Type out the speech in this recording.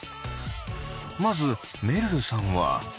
まずめるるさんは。